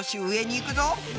行くぞ！